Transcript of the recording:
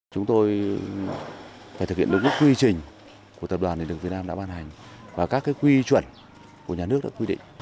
phải thực hiện được các quy trình của tập đoàn điện lực việt nam đã ban hành và các quy chuẩn của nhà nước đã quy định